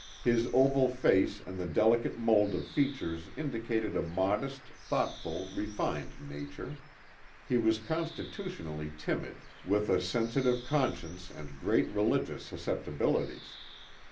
His oval face and the delicate mold of features indicated a modest, thoughtful, refined nature. He was constitutionally timid, with a sensitive conscience and great religious susceptibilities.